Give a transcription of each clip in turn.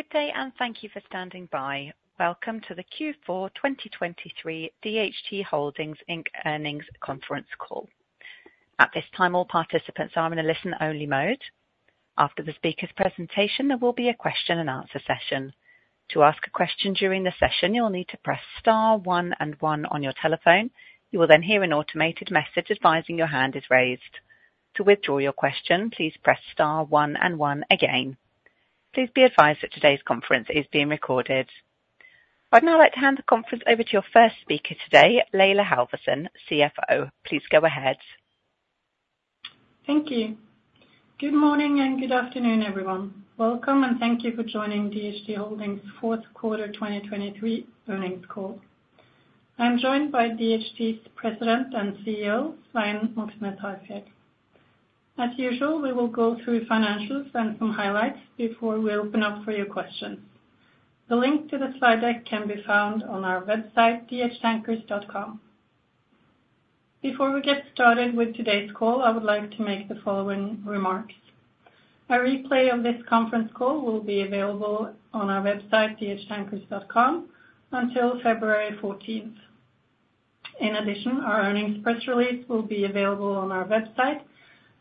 Good day, and thank you for standing by. Welcome to the Q4 2023 DHT Holdings, Inc. Earnings Conference Call. At this time, all participants are in a listen-only mode. After the speaker's presentation, there will be a question and answer session. To ask a question during the session, you'll need to press star one and one on your telephone. You will then hear an automated message advising your hand is raised. To withdraw your question, please press star one and one again. Please be advised that today's conference is being recorded. I'd now like to hand the conference over to your first speaker today, Laila Halvorsen, CFO. Please go ahead. Thank you. Good morning, and good afternoon, everyone. Welcome, and thank you for joining DHT Holdings Q4 2023 earnings call. I'm joined by DHT's President and CEO, Svein Moxnes Harfjeld. As usual, we will go through financials and some highlights before we open up for your questions. The link to the slide deck can be found on our website, dhtankers.com. Before we get started with today's call, I would like to make the following remarks. A replay of this conference call will be available on our website, dhtankers.com, until February 14th. In addition, our earnings press release will be available on our website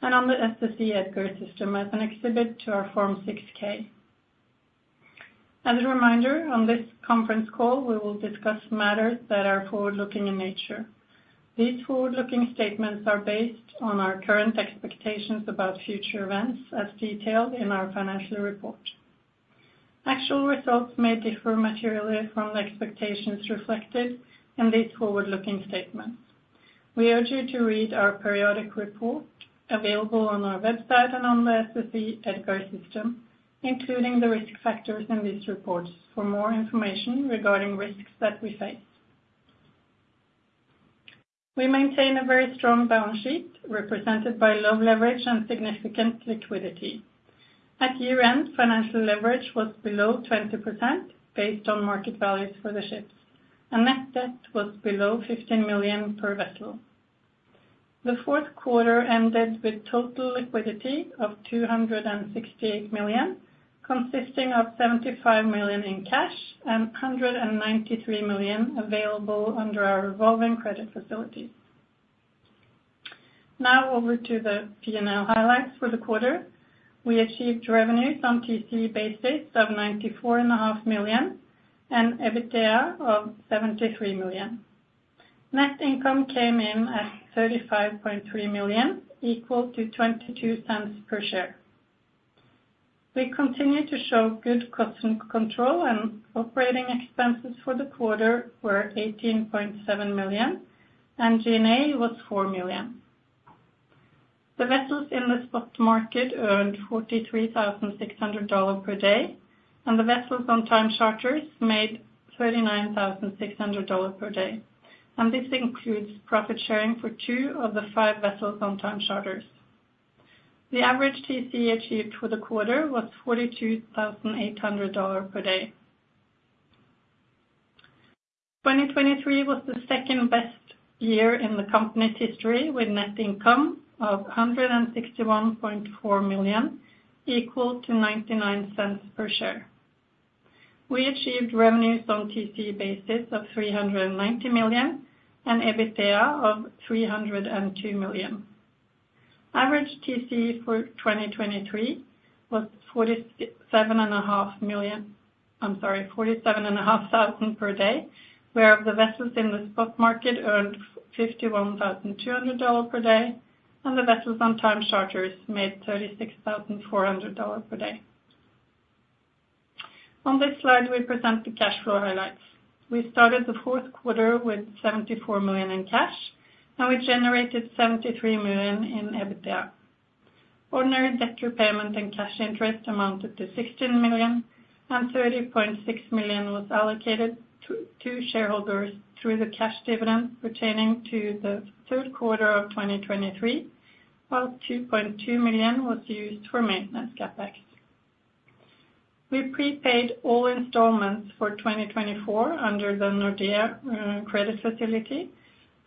and on the SEC EDGAR system as an exhibit to our Form 6-K. As a reminder, on this conference call, we will discuss matters that are forward-looking in nature. These forward-looking statements are based on our current expectations about future events, as detailed in our financial report. Actual results may differ materially from the expectations reflected in these forward-looking statements. We urge you to read our periodic report, available on our website and on the SEC EDGAR system, including the risk factors in these reports for more information regarding risks that we face. We maintain a very strong balance sheet, represented by low leverage and significant liquidity. At year-end, financial leverage was below 20%, based on market values for the ships, and net debt was below $15 million per vessel. The Q4 ended with total liquidity of $268 million, consisting of $75 million in cash and $193 million available under our revolving credit facilities. Now, over to the P&L highlights for the quarter. We achieved revenues on TC basis of $94.5 million, and EBITDA of $73 million. Net income came in at $35.3 million, equal to $0.22 per share. We continue to show good cost control, and operating expenses for the quarter were $18.7 million, and G&A was $4 million. The vessels in the spot market earned $43,600 per day, and the vessels on time charters made $39,600 per day, and this includes profit sharing for 2 of the 5 vessels on time charters. The average TC achieved for the quarter was $42,800 per day. 2023 was the second best year in the company's history, with net income of $161.4 million, equal to $0.99 per share. We achieved revenues on TC basis of $390 million and EBITDA of $302 million. Average TC for 2023 was 47.5 million, I'm sorry, 47.5 per day, where the vessels in the spot market earned $51,200 dollar per day, and the vessels on time charters made $36,400 dollar per day. On this slide, we present the cash flow highlights. We started the Q4 with $74 million in cash, and we generated $73 million in EBITDA. Ordinary debt repayment and cash interest amounted to $16 million, and $30.6 million was allocated to, to shareholders through the cash dividend pertaining to the Q3 of 2023, while $2.2 million was used for maintenance CapEx. We prepaid all installments for 2024 under the Nordea credit facility,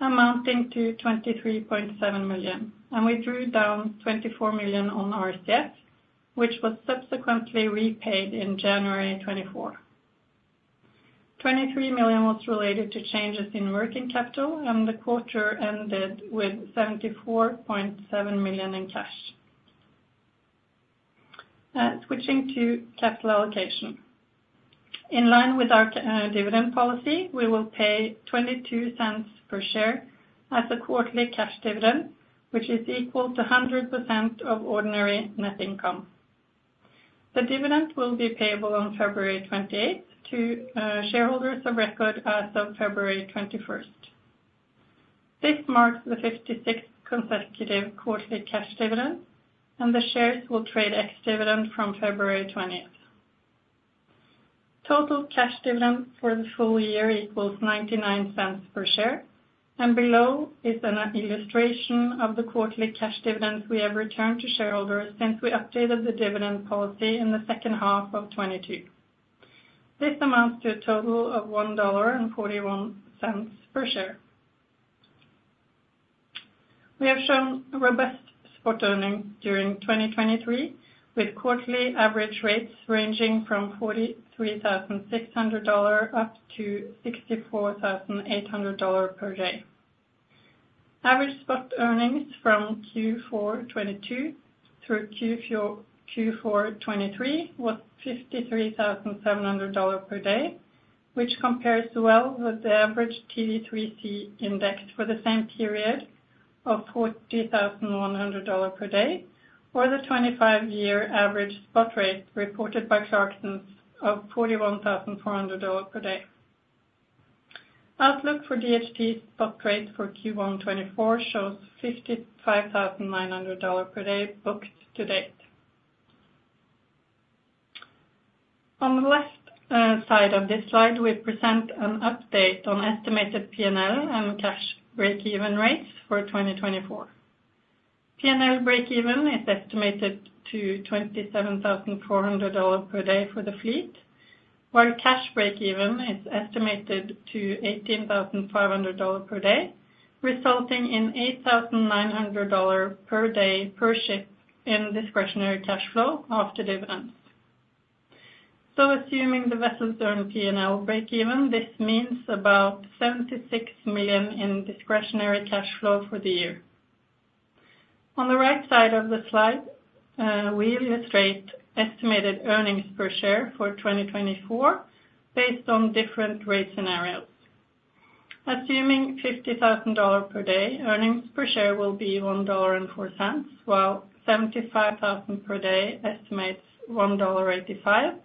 amounting to $23.7 million, and we drew down $24 million on our CS, which was subsequently repaid in January 2024. $23 million was related to changes in working capital, and the quarter ended with $74.7 million in cash. Switching to capital allocation. In line with our dividend policy, we will pay $0.22 per share as a quarterly cash dividend, which is equal to 100% of ordinary net income. The dividend will be payable on February 28 to shareholders of record as of February 21. This marks the 56th consecutive quarterly cash dividend, and the shares will trade ex-dividend from February 28. Total cash dividend for the full year equals $0.99 per share, and below is an illustration of the quarterly cash dividends we have returned to shareholders since we updated the dividend policy in the second half of 2022. This amounts to a total of $1.41 per share. We have shown robust spot earnings during 2023, with quarterly average rates ranging from $43,600-$64,800 per day. Average spot earnings from Q4 2022 through Q4 2023 was $53,700 per day, which compares well with the average TD3C index for the same period of $40,100 per day, or the 25-year average spot rate reported by Clarksons of $41,400 per day. Outlook for DHT spot rates for Q1 2024 shows $55,900 per day booked to date. On the left side of this slide, we present an update on estimated P&L and cash breakeven rates for 2024. P&L breakeven is estimated to $27,400 per day for the fleet, while cash breakeven is estimated to $18,500 per day, resulting in $8,900 per day per ship in discretionary cash flow after dividends. Assuming the vessels earn P&L breakeven, this means about $76 million in discretionary cash flow for the year. On the right side of the slide, we illustrate estimated earnings per share for 2024, based on different rate scenarios. Assuming $50,000 per day, earnings per share will be $1.04, while $75,000 per day estimates $1.85,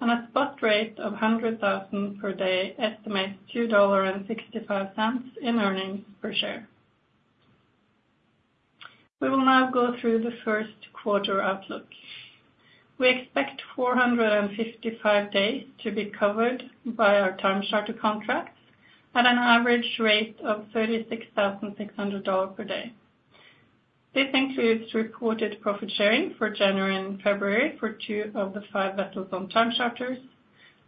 and a spot rate of $100,000 per day estimates $2.65 in earnings per share. We will now go through the Q1 outlook. We expect 455 days to be covered by our time charter contracts at an average rate of $36,600 per day. This includes reported profit sharing for January and February for 2 of the 5 vessels on time charters,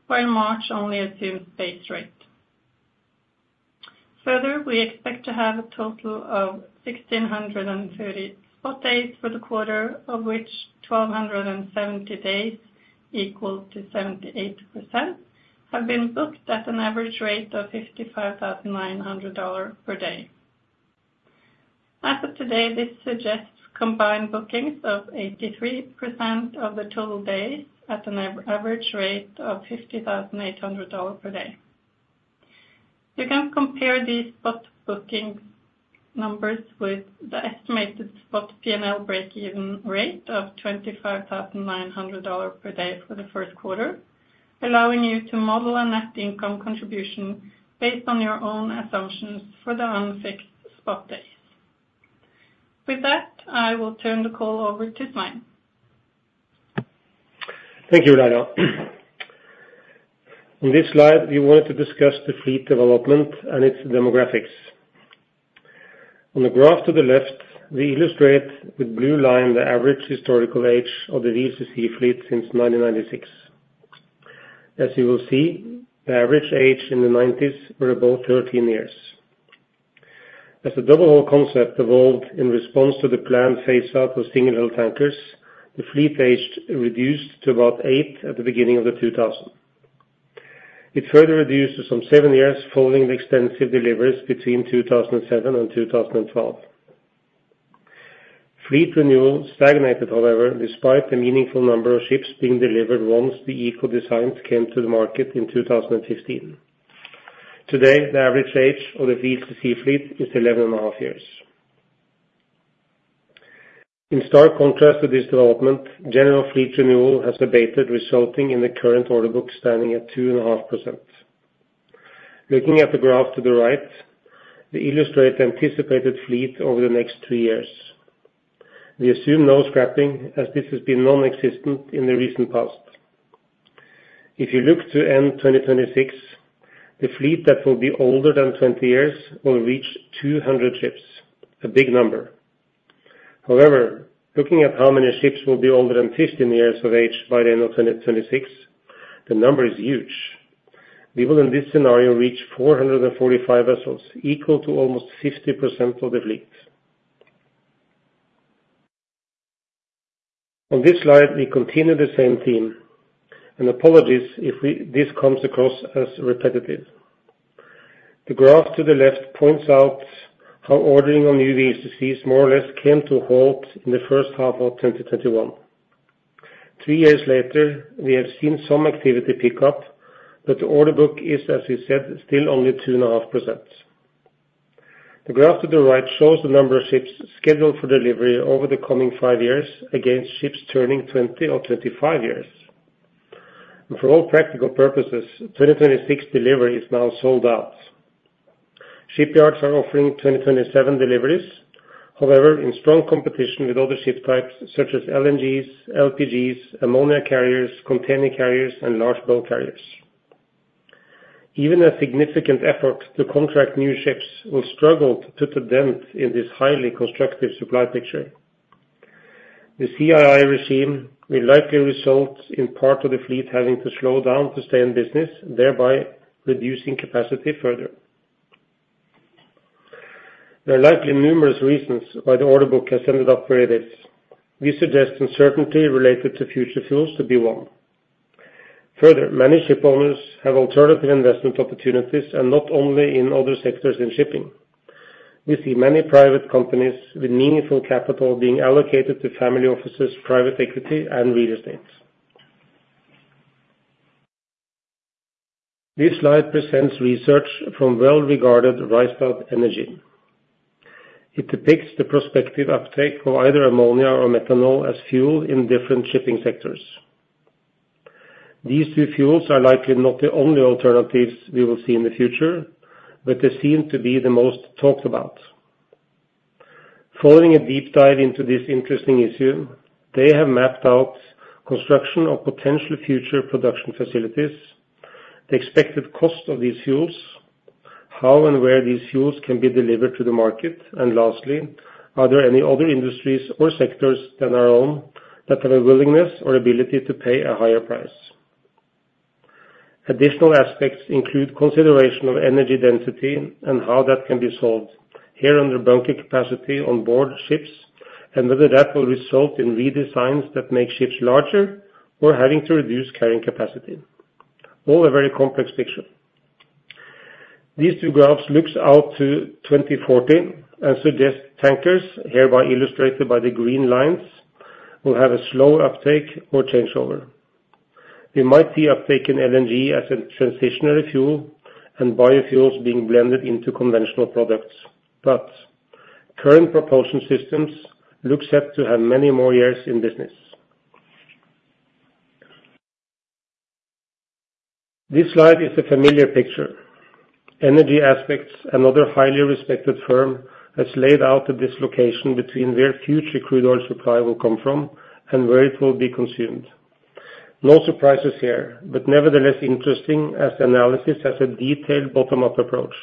while March only assumes base rate. Further, we expect to have a total of 1,630 spot days for the quarter, of which 1,270 days, equal to 78%, have been booked at an average rate of $55,900 per day. As of today, this suggests combined bookings of 83% of the total days at an average rate of $50,800 per day. You can compare these spot booking numbers with the estimated spot P&L break-even rate of $25,900 per day for the Q1, allowing you to model a net income contribution based on your own assumptions for the unfixed spot days. With that, I will turn the call over to Svein. Thank you, Laila. In this slide, we wanted to discuss the fleet development and its demographics. On the graph to the left, we illustrate with blue line the average historical age of the VLCC fleet since 1996. As you will see, the average age in the 1990s were above 13 years. As the double hull concept evolved in response to the planned phase-out of single hull tankers, the fleet age reduced to about eightat the beginning of 2000. It further reduced to some 7 years, following the extensive deliveries between 2007 and 2012. Fleet renewal stagnated, however, despite a meaningful number of ships being delivered once the Eco designs came to the market in 2015. Today, the average age of the VLCC fleet is 11.5 years. In stark contrast to this development, general fleet renewal has abated, resulting in the current order book standing at 2.5%. Looking at the graph to the right, we illustrate anticipated fleet over the next three years. We assume no scrapping, as this has been non-existent in the recent past. If you look to end 2026, the fleet that will be older than 20 years will reach 200 ships, a big number. However, looking at how many ships will be older than 15 years of age by the end of 2026, the number is huge. We will, in this scenario, reach 445 vessels, equal to almost 50% of the fleet. On this slide, we continue the same theme, and apologies if we- this comes across as repetitive. The graph to the left points out how ordering on new VLCCs more or less came to a halt in the first half of 2021. Three years later, we have seen some activity pick up, but the order book is, as we said, still only 2.5%. The graph to the right shows the number of ships scheduled for delivery over the coming 5 years against ships turning 20 or 25 years. For all practical purposes, 2026 delivery is now sold out. Shipyards are offering 2027 deliveries, however, in strong competition with other ship types, such as LNGs, LPGs, ammonia carriers, container carriers, and large bulk carriers. Even a significant effort to contract new ships will struggle to put a dent in this highly constructive supply picture. The CII regime will likely result in part of the fleet having to slow down to stay in business, thereby reducing capacity further. There are likely numerous reasons why the order book has ended up where it is. We suggest uncertainty related to future fuels to be one. Further, many shipowners have alternative investment opportunities, and not only in other sectors in shipping. We see many private companies with meaningful capital being allocated to family offices, private equity, and real estate. This slide presents research from well-regarded Rystad Energy. It depicts the prospective uptake of either ammonia or methanol as fuel in different shipping sectors. These two fuels are likely not the only alternatives we will see in the future, but they seem to be the most talked about. Following a deep dive into this interesting issue, they have mapped out construction of potential future production facilities, the expected cost of these fuels, how and where these fuels can be delivered to the market, and lastly, are there any other industries or sectors than our own that have a willingness or ability to pay a higher price. Additional aspects include consideration of energy density and how that can be solved, here under bunker capacity on board ships, and whether that will result in redesigns that make ships larger or having to reduce carrying capacity. All a very complex picture. These two graphs looks out to 2040 and suggest tankers, hereby illustrated by the green lines, will have a slow uptake or changeover. We might see uptake in LNG as a transitionary fuel and biofuels being blended into conventional products, but current propulsion systems looks set to have many more years in business. This slide is a familiar picture. Energy Aspects, another highly respected firm, has laid out the dislocation between where future crude oil supply will come from and where it will be consumed. No surprises here, but nevertheless, interesting, as the analysis has a detailed bottom-up approach.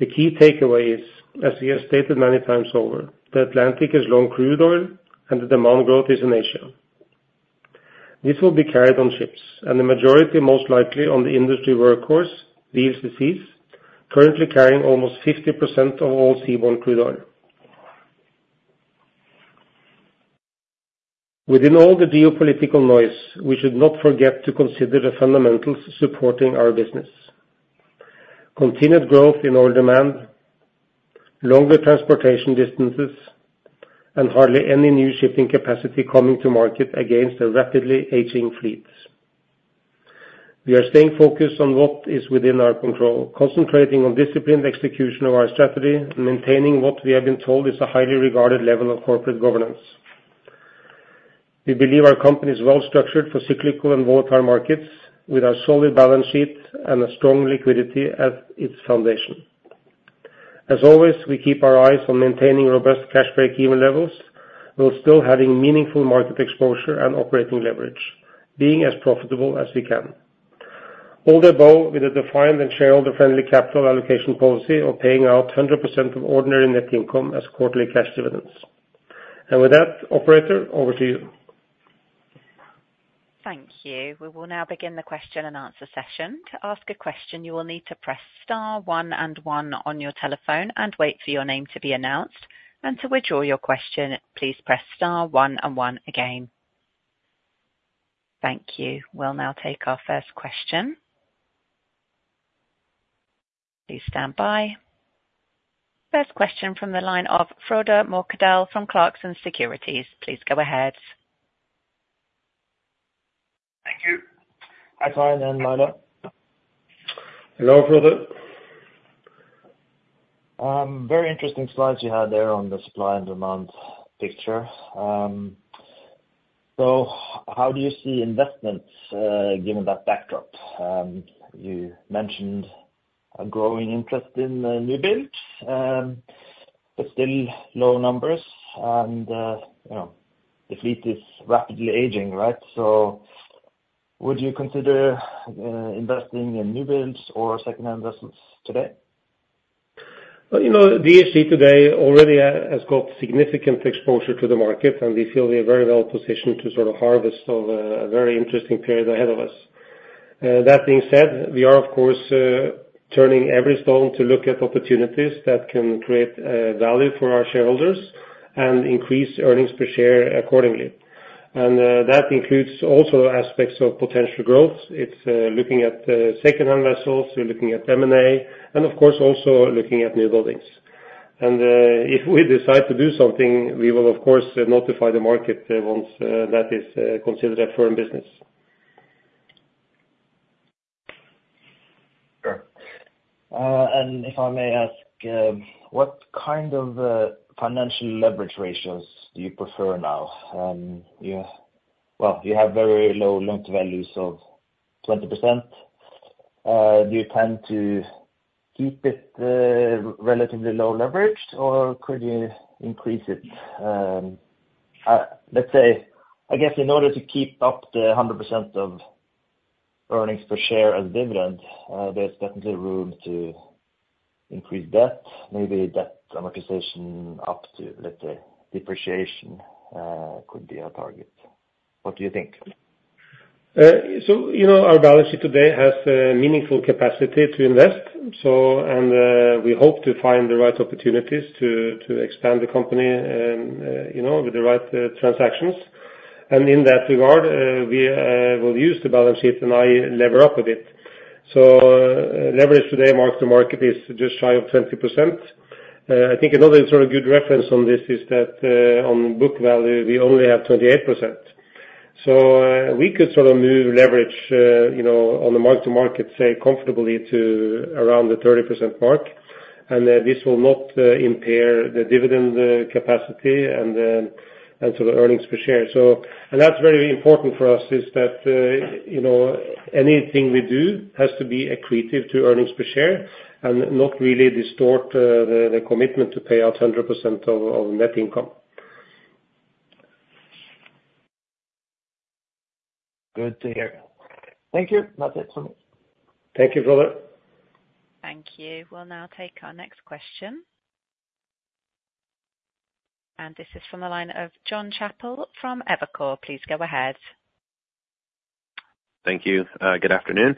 The key takeaway is, as we have stated many times over, the Atlantic is long crude oil and the demand growth is in Asia. This will be carried on ships and the majority, most likely, on the industry workhorse, these VLCCs, currently carrying almost 50% of all seaborne crude oil. Within all the geopolitical noise, we should not forget to consider the fundamentals supporting our business. Continued growth in oil demand, longer transportation distances, and hardly any new shipping capacity coming to market against the rapidly aging fleets. We are staying focused on what is within our control, concentrating on disciplined execution of our strategy and maintaining what we have been told is a highly regarded level of corporate governance. We believe our company is well structured for cyclical and volatile markets, with a solid balance sheet and a strong liquidity at its foundation. As always, we keep our eyes on maintaining robust cash break-even levels, while still having meaningful market exposure and operating leverage, being as profitable as we can. All the above, with a defined and shareholder-friendly capital allocation policy of paying out 100% of ordinary net income as quarterly cash dividends. And with that, operator, over to you. Thank you. We will now begin the question-and-answer session. To ask a question, you will need to press star one and one on your telephone and wait for your name to be announced, and to withdraw your question, please press star one and one again. Thank you. We'll now take our first question. Please stand by. First question from the line of Frode Mørkedal from Clarksons Securities. Please go ahead. Thank you. Hi, Svein and Laila. Hello, Frode. Very interesting slides you had there on the supply and demand picture. So how do you see investments, given that backdrop? You mentioned a growing interest in newbuild, but still low numbers and, you know, the fleet is rapidly aging, right? So would you consider investing in newbuilds or secondhand investments today? Well, you know, DHT today already has got significant exposure to the market, and we feel we are very well positioned to sort of harvest of a very interesting period ahead of us. That being said, we are, of course, turning every stone to look at opportunities that can create value for our shareholders and increase earnings per share accordingly. And, that includes also aspects of potential growth. It's looking at secondhand vessels, we're looking at M&A, and of course, also looking at new buildings. And, if we decide to do something, we will, of course, notify the market once that is considered a firm business. Sure. If I may ask, what kind of financial leverage ratios do you prefer now? You have, well, you have very low linked values of 20%. Do you plan to keep it relatively low leveraged, or could you increase it? Let's say, I guess in order to keep up the 100% of earnings per share and dividend, there's definitely room to increase debt, maybe debt amortization up to, let's say, depreciation, could be a target. What do you think? So, you know, our balance sheet today has a meaningful capacity to invest. So and we hope to find the right opportunities to expand the company and, you know, with the right transactions. And in that regard, we will use the balance sheet, and I lever up a bit. So, leverage today, mark-to-market, is just shy of 20%. I think another sort of good reference on this is that, on book value, we only have 28%. So, we could sort of move leverage, you know, on the mark-to-market, say, comfortably to around the 30% mark. And, this will not impair the dividend capacity and so the earnings per share. So, and that's very important for us, is that, you know, anything we do has to be accretive to earnings per share and not really distort the commitment to pay out 100% of net income. Good to hear. Thank you. That's it for me. Thank you, Frode. Thank you. We'll now take our next question. This is from the line of Jon Chappell from Evercore. Please go ahead. Thank you. Good afternoon.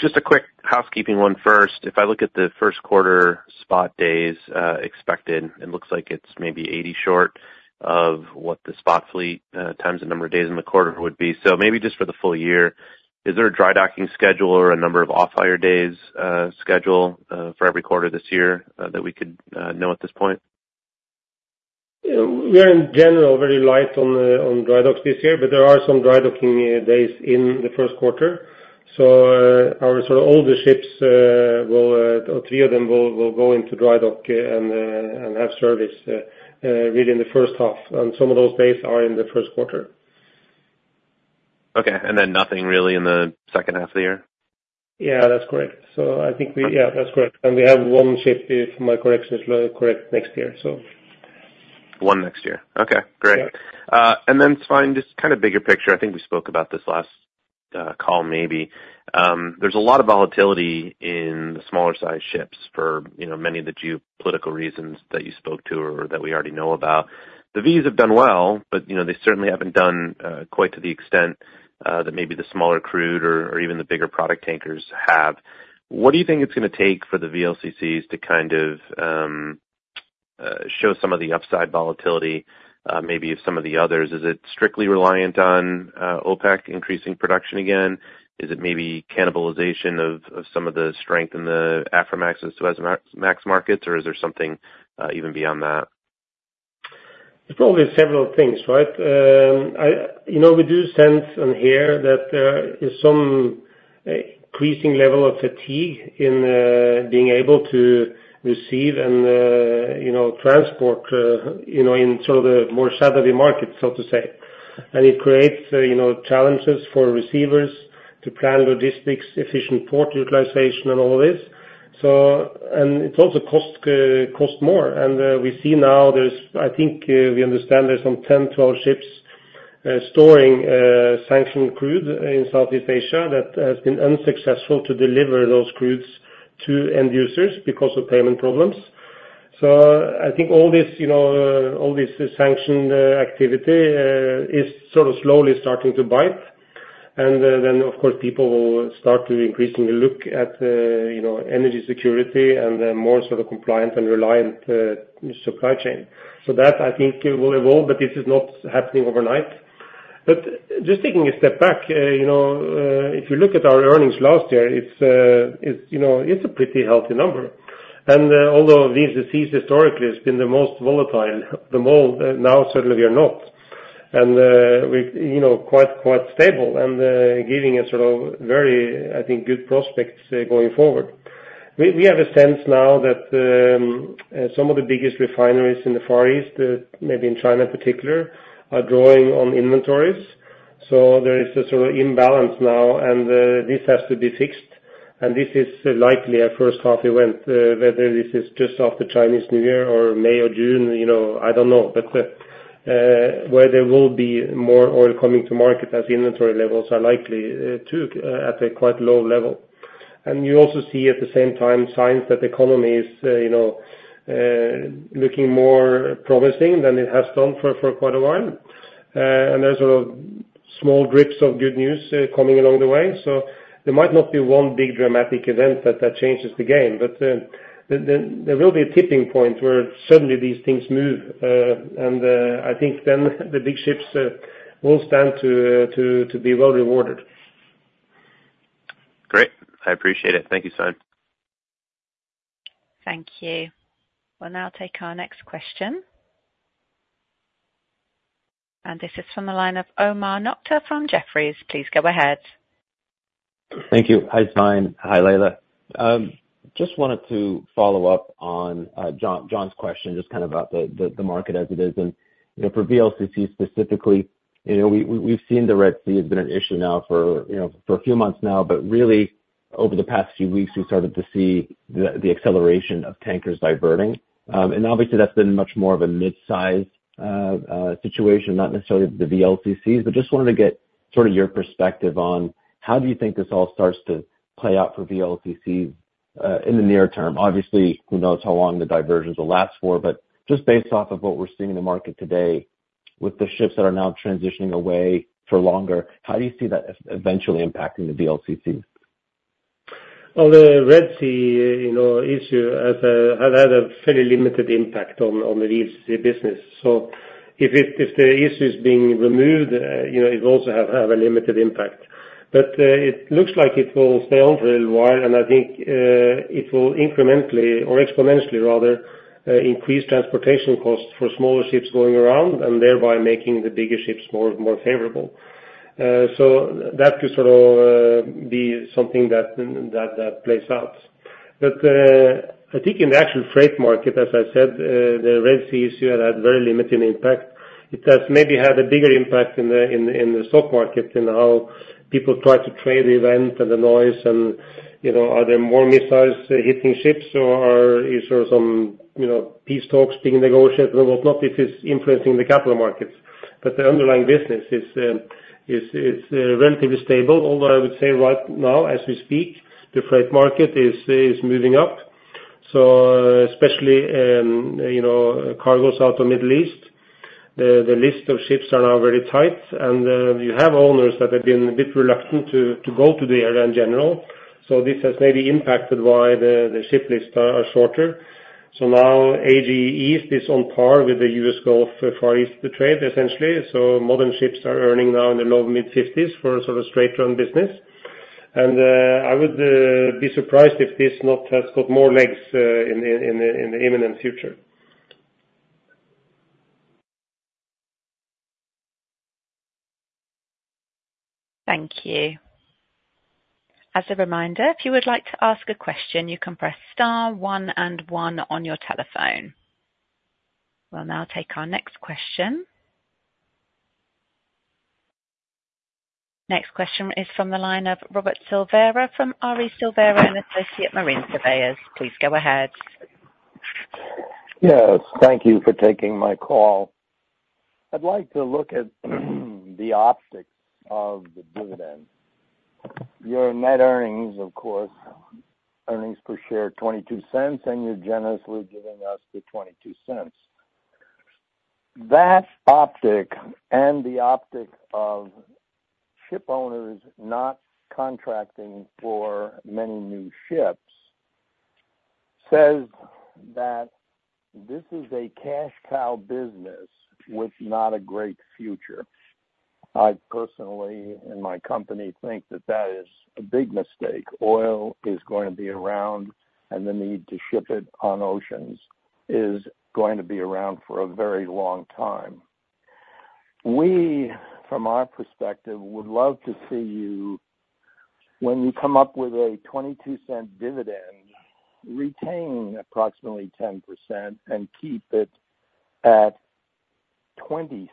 Just a quick housekeeping one first. If I look at the Q1 spot days expected, it looks like it's maybe 80 short of what the spot fleet times the number of days in the quarter would be. So maybe just for the full year, is there a dry docking schedule or a number of off-hire days schedule for every quarter this year that we could know at this point? We are, in general, very light on, on dry docks this year, but there are some dry docking days in the Q1. So, our sort of older ships, or three of them will go into dry dock, and have service, really in the first half, and some of those days are in the Q1. Okay, and then nothing really in the second half of the year? Yeah, that's correct. So I think we, yeah, that's correct. And we have one ship, if my correction is correct, next year, so. One next year. Okay, great. Yeah. And then Svein, just kind of bigger picture, I think we spoke about this last call, maybe. There's a lot of volatility in the smaller sized ships for, you know, many of the geopolitical reasons that you spoke to or that we already know about. The V's have done well, but, you know, they certainly haven't done quite to the extent that maybe the smaller crude or even the bigger product tankers have. What do you think it's gonna take for the VLCCs to kind of show some of the upside volatility, maybe of some of the others? Is it strictly reliant on OPEC increasing production again? Is it maybe cannibalization of some of the strength in the Aframax and Suezmax markets, or is there something even beyond that? There's probably several things, right? I, you know, we do sense on here that there is some increasing level of fatigue in being able to receive and, you know, transport, you know, in some of the more shadowy markets, so to say. And it creates, you know, challenges for receivers to plan logistics, efficient port utilization and all this. So, and it also cost, cost more. And, we see now there's—I think, we understand there's some 10, 12 ships storing sanctioned crude in Southeast Asia that has been unsuccessful to deliver those crudes to end users because of payment problems. So I think all this, you know, all this sanctioned activity is sort of slowly starting to bite. Then, of course, people will start to increasingly look at, you know, energy security and a more sort of compliant and reliant supply chain. So that, I think, will evolve, but this is not happening overnight. But just taking a step back, you know, if you look at our earnings last year, it's, it's, you know, it's a pretty healthy number. And, although this business historically has been the most volatile, the market now certainly are not. And, we've, you know, quite, quite stable and, giving a sort of very, I think, good prospects going forward. We have a sense now that some of the biggest refineries in the Far East, maybe in China in particular, are drawing on inventories. So there is a sort of imbalance now, and this has to be fixed, and this is likely a first half event. Whether this is just after Chinese New Year or May or June, you know, I don't know. But where there will be more oil coming to market as inventory levels are likely to at a quite low level. And you also see, at the same time, signs that the economy is, you know, looking more promising than it has done for quite a while. And there's sort of small drips of good news coming along the way. So there might not be one big dramatic event that changes the game, but there will be a tipping point where suddenly these things move, and I think then the big ships will stand to be well rewarded. Great. I appreciate it. Thank you, Svein. Thank you. We'll now take our next question. And this is from the line of Omar Nokta from Jefferies. Please go ahead. Thank you. Hi, Svein. Hi, Laila. Just wanted to follow up on John's question, just kind of about the market as it is. And, you know, for VLCC specifically, you know, we've seen the Red Sea has been an issue now for, you know, for a few months now, but really- over the past few weeks, we started to see the acceleration of tankers diverting. And obviously, that's been much more of a mid-size situation, not necessarily the VLCCs. But just wanted to get sort of your perspective on how do you think this all starts to play out for VLCC in the near term? Obviously, who knows how long the diversions will last for? But just based off of what we're seeing in the market today, with the ships that are now transitioning away for longer, how do you see that as eventually impacting the VLCCs? Well, the Red Sea, you know, issue has had a fairly limited impact on the tanker business. So if the issue is being removed, you know, it also have a limited impact. But it looks like it will stay on for a little while, and I think it will incrementally or exponentially rather increase transportation costs for smaller ships going around and thereby making the bigger ships more favorable. So that could sort of be something that plays out. But I think in the actual freight market, as I said, the Red Sea issue had very limited impact. It has maybe had a bigger impact in the stock market, in how people try to trade event and the noise and, you know, are there more missiles hitting ships, or is there some, you know, peace talks being negotiated and what not, if it's influencing the capital markets. But the underlying business is relatively stable, although I would say right now, as we speak, the freight market is moving up. So especially, you know, cargos out of Middle East, the list of ships are now very tight, and you have owners that have been a bit reluctant to go to the area in general. So this has maybe impacted why the ship lists are shorter. So now AG East is on par with the U.S. Gulf, Far East trade, essentially. Modern ships are earning now in the low-mid 50s for sort of straight run business. I would be surprised if this not has got more legs in the imminent future. Thank you. As a reminder, if you would like to ask a question, you can press star one and one on your telephone. We'll now take our next question. Next question is from the line of Robert Silvera from R.E. Silvera & Associates Marine Surveyors. Please go ahead. Yes, thank you for taking my call. I'd like to look at the optics of the dividend. Your net earnings, of course, earnings per share $0.22, and you're generously giving us the $0.22. That optic and the optic of shipowners not contracting for many new ships says that this is a cash cow business with not a great future. I personally, and my company, think that that is a big mistake. Oil is going to be around, and the need to ship it on oceans is going to be around for a very long time. We, from our perspective, would love to see you, when you come up with a $0.22 dividend, retain approximately 10% and keep it at $0.20,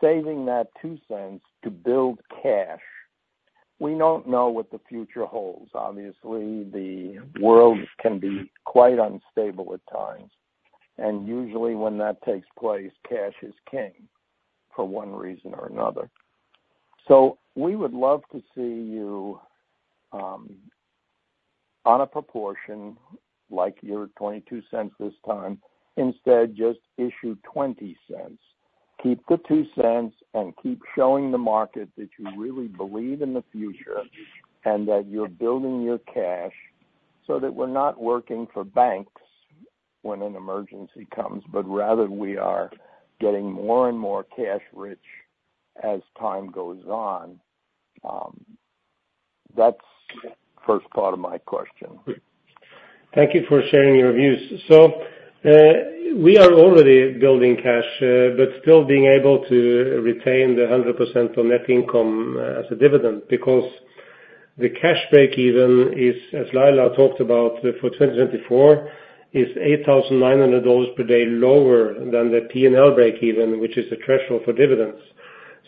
saving that $0.02 to build cash. We don't know what the future holds. Obviously, the world can be quite unstable at times, and usually when that takes place, cash is king, for one reason or another. So we would love to see you, on a proportion like your $0.22 this time, instead, just issue $0.20. Keep the $0.02 and keep showing the market that you really believe in the future and that you're building your cash so that we're not working for banks when an emergency comes, but rather we are getting more and more cash rich as time goes on. That's first part of my question. Thank you for sharing your views. So, we are already building cash, but still being able to retain 100% of net income as a dividend. Because the cash breakeven is, as Laila talked about, for 2024, $8,900 per day lower than the P&L breakeven, which is the threshold for dividends.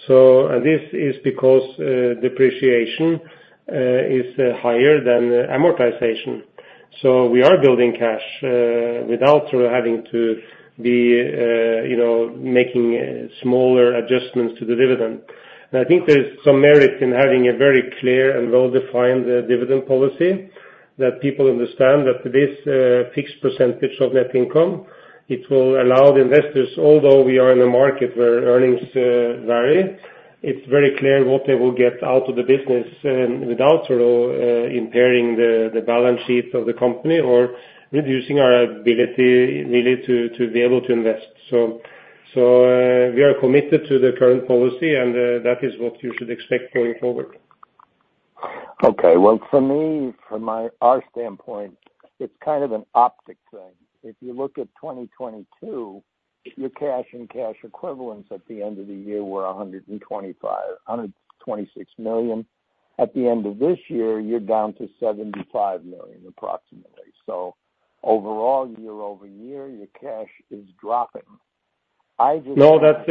So, and this is because, depreciation is higher than amortization. So we are building cash, without sort of having to be, you know, making smaller adjustments to the dividend. I think there is some merit in having a very clear and well-defined dividend policy, that people understand that this fixed percentage of net income, it will allow the investors, although we are in a market where earnings vary, it's very clear what they will get out of the business, without sort of impairing the balance sheet of the company or reducing our ability really to be able to invest. So, we are committed to the current policy, and that is what you should expect going forward. Okay. Well, for me, from my—our standpoint, it's kind of an optics thing. If you look at 2022, your cash and cash equivalents at the end of the year were $125 million- $126 million. At the end of this year, you're down to $75 million approximately. So overall, year-over-year, your cash is dropping. No, that,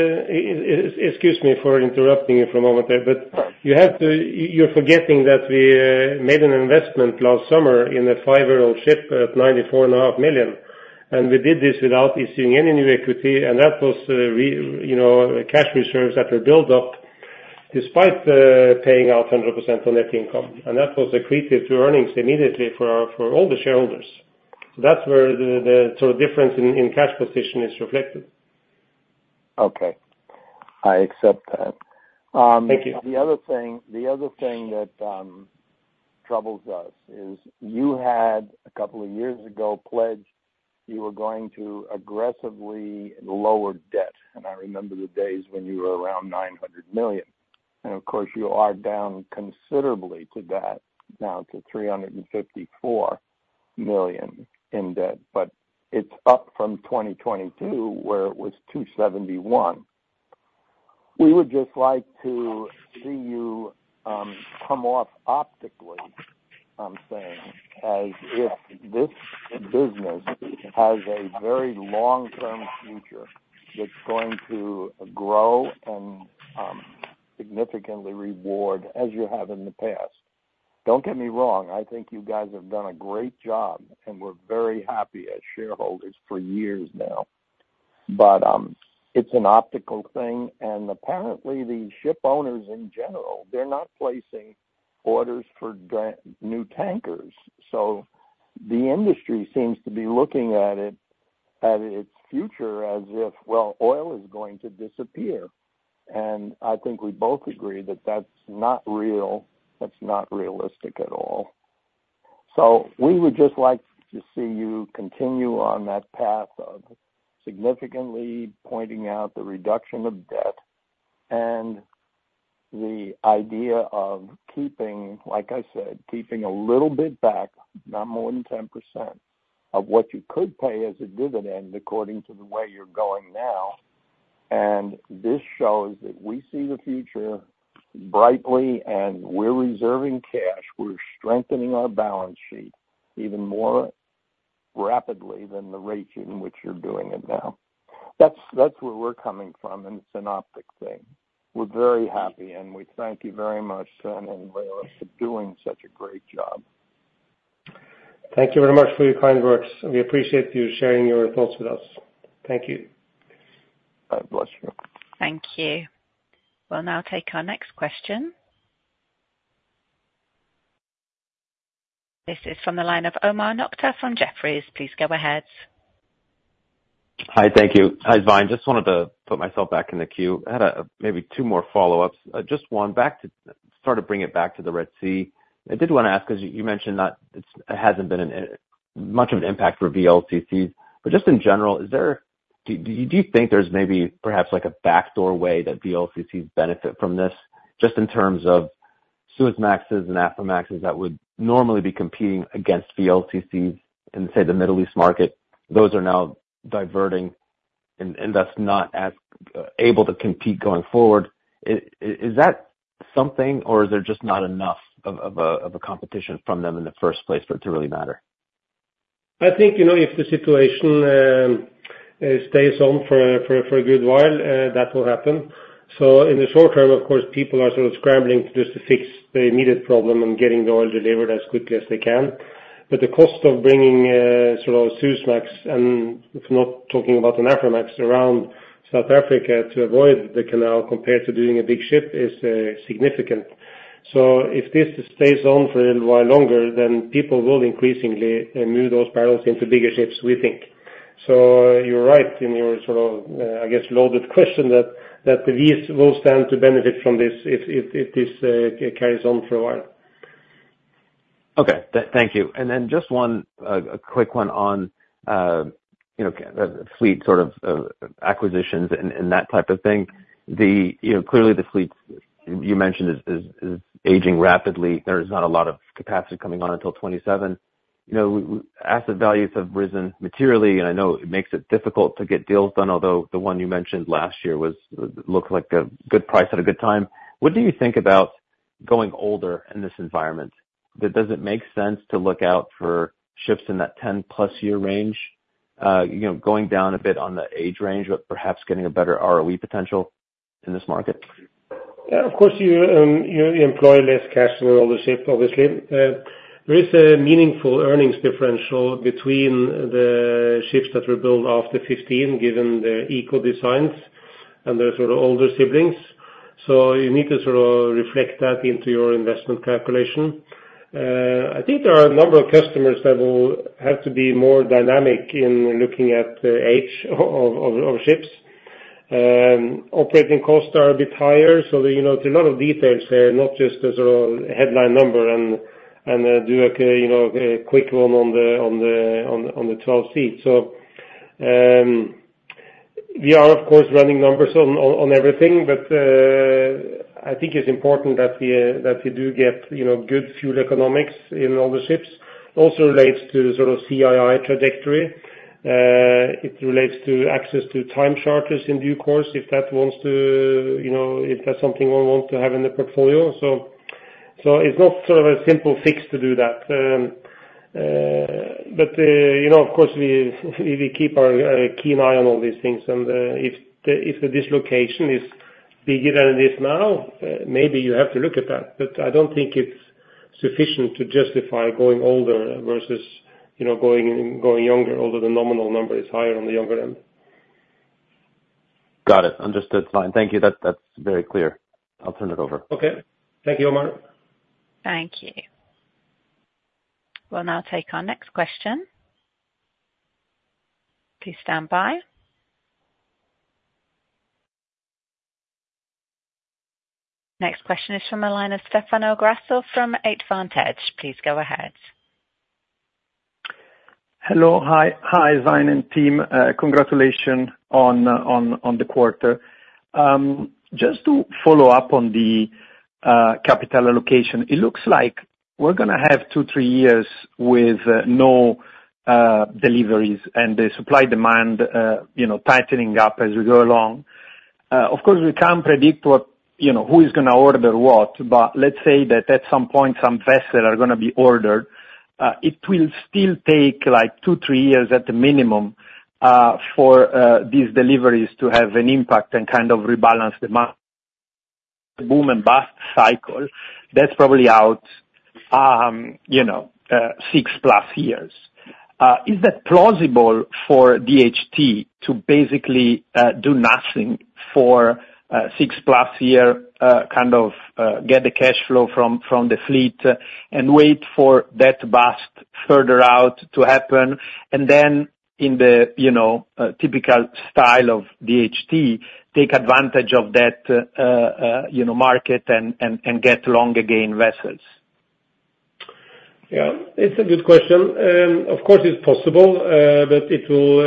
excuse me for interrupting you for a moment there, but you have to—you're forgetting that we made an investment last summer in a five-year-old ship at $94.5 million, and we did this without issuing any new equity, and that was, you know, cash reserves that were built up despite paying out 100% on net income. And that was accretive to earnings immediately for our, for all the shareholders. So that's where the, the sort of difference in cash position is reflected. Okay, I accept that. Thank you. The other thing, the other thing that troubles us is you had, a couple of years ago, pledged you were going to aggressively lower debt, and I remember the days when you were around $900 million, and of course, you are down considerably to that, now to $354 million in debt, but it's up from 2022, where it was $271 million. We would just like to see you come off optically, I'm saying, as if this business has a very long-term future that's going to grow and significantly reward as you have in the past. Don't get me wrong, I think you guys have done a great job, and we're very happy as shareholders for years now, but it's an optical thing, and apparently, the shipowners in general, they're not placing orders for new tankers. So the industry seems to be looking at it, at its future as if, well, oil is going to disappear, and I think we both agree that that's not real. That's not realistic at all. So we would just like to see you continue on that path of significantly pointing out the reduction of debt and the idea of keeping, like I said, keeping a little bit back, not more than 10% of what you could pay as a dividend according to the way you're going now. And this shows that we see the future brightly, and we're reserving cash. We're strengthening our balance sheet even more rapidly than the rate in which you're doing it now. That's, that's where we're coming from, and it's an optic thing. We're very happy, and we thank you very much, Svein and Halvorsen for doing such a great job. Thank you very much for your kind words, and we appreciate you sharing your thoughts with us. Thank you. God bless you. Thank you. We'll now take our next question. This is from the line of Omar Nokta from Jefferies. Please go ahead. Hi, thank you. Hi, Svein. Just wanted to put myself back in the queue. I had maybe two more follow-ups. Just one, back to sort of bring it back to the Red Sea. I did want to ask, because you mentioned that it's it hasn't been much of an impact for VLCCs, but just in general, is there do you think there's maybe perhaps like a backdoor way that VLCCs benefit from this, just in terms of Suezmaxes and Aframaxes that would normally be competing against VLCCs in say the Middle East market? Those are now diverting and that's not as able to compete going forward. Is that something, or is there just not enough of a competition from them in the first place for it to really matter? I think, you know, if the situation stays on for a good while, that will happen. So in the short term, of course, people are sort of scrambling just to fix the immediate problem and getting the oil delivered as quickly as they can. But the cost of bringing sort of Suezmax, and it's not talking about an Aframax, around South Africa to avoid the canal, compared to doing a big ship, is significant. So if this stays on for a little while longer, then people will increasingly move those barrels into bigger ships, we think. So you're right in your sort of, I guess, loaded question that the V's will stand to benefit from this if this carries on for a while. Okay. Thank you. And then just one, a quick one on, you know, fleet sort of, acquisitions and that type of thing. You know, clearly, the fleet you mentioned is aging rapidly. There is not a lot of capacity coming on until 2027. You know, asset values have risen materially, and I know it makes it difficult to get deals done, although the one you mentioned last year was, looked like a good price at a good time. What do you think about going older in this environment? That does it make sense to look out for ships in that 10+ year range, you know, going down a bit on the age range, but perhaps getting a better ROE potential in this market? Yeah, of course, you, you employ less cash on the ship, obviously. There is a meaningful earnings differential between the ships that were built after 15, given the eco designs and the sort of older siblings, so you need to sort of reflect that into your investment calculation. I think there are a number of customers that will have to be more dynamic in looking at the age of ships. Operating costs are a bit higher, so, you know, there are a lot of details there, not just the sort of headline number and, and, do a, you know, a quick one on the, on the, on, on the 12 seat. So, we are, of course, running numbers on everything, but I think it's important that we do get, you know, good fuel economics in all the ships, also relates to sort of CII trajectory. It relates to access to time charters in due course, if that wants to, you know, if that's something we want to have in the portfolio. So it's not sort of a simple fix to do that. But, you know, of course, we keep our keen eye on all these terms, and if the dislocation is bigger than it is now, maybe you have to look at that. But I don't think it's sufficient to justify going older versus, you know, going younger, although the nominal number is higher on the younger end. Got it. Understood, Svein. Thank you. That, that's very clear. I'll turn it over. Okay. Thank you, Omar. Thank you. We'll now take our next question. Please stand by. Next question is from the line of Stefano Grasso from 8VantEdge. Please go ahead. Hello. Hi, hi, Svein and team. Congratulations on the quarter. Just to follow up on the capital allocation, it looks like we're gonna have 2 years-3 years with no deliveries and the supply-demand you know, tightening up as we go along. Of course, we can't predict what you know, who is gonna order what, but let's say that at some point, some vessels are gonna be ordered. It will still take, like, 2 years-3 years at the minimum for these deliveries to have an impact and kind of rebalance the market boom and bust cycle, that's probably out 6+ years. Is that plausible for DHT to basically do nothing for 6+ year kind of get the cash flow from the fleet and wait for that bust further out to happen, and then in the, you know, typical style of DHT, take advantage of that, you know, market and, and, and get long again vessels? Yeah, it's a good question. Of course, it's possible, but it will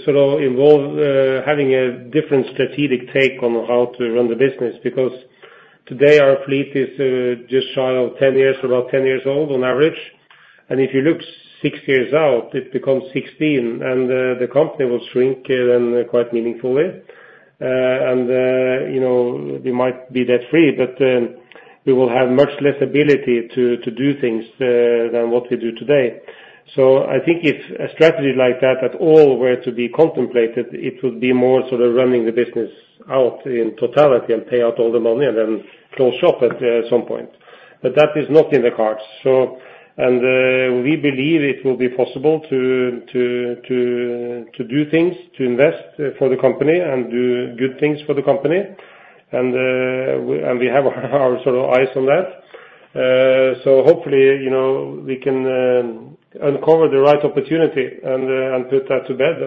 sort of involve having a different strategic take on how to run the business. Because today, our fleet is just shy of 10 years, about 10 years old on average, and if you look 6 years out, it becomes 16, and the company will shrink then quite meaningfully. And you know, we might be debt-free, but we will have much less ability to do things than what we do today. So I think if a strategy like that at all were to be contemplated, it would be more sort of running the business out in totality and pay out all the money and then close shop at some point. But that is not in the cards, so we believe it will be possible to do things, to invest for the company and do good things for the company, and we have our sort of eyes on that. So hopefully, you know, we can uncover the right opportunity and put that to bed,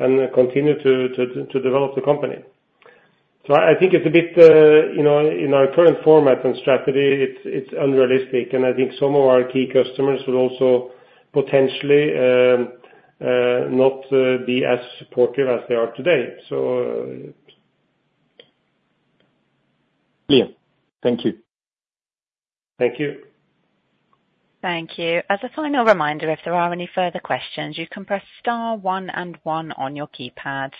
and continue to develop the company. So I think it's a bit, you know, in our current format and strategy, it's unrealistic, and I think some of our key customers will also potentially not be as supportive as they are today, so- Yeah. Thank you. Thank you. Thank you. As a final reminder, if there are any further questions, you can press star one and one on your keypad.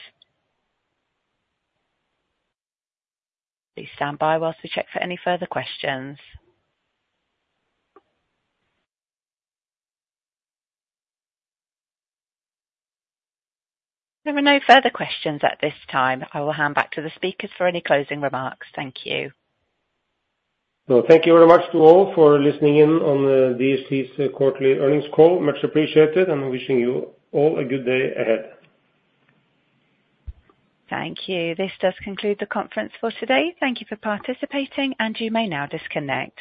Please stand by while we check for any further questions. There are no further questions at this time. I will hand back to the speakers for any closing remarks. Thank you. Thank you very much to all for listening in on DHT's quarterly earnings call. Much appreciated, and wishing you all a good day ahead. Thank you. This does conclude the conference for today. Thank you for participating, and you may now disconnect.